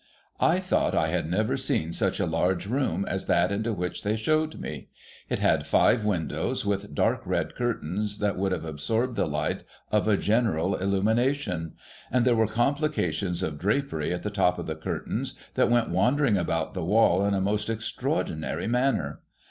I thought I had never seen such a large room as that into which they showed me. It had five windows, with dark red curtains that would have absorbed the light of a general illumination ; and there were complications of drapery at the top of the curtains, that went wandering about the wall in a most extraordinary manner.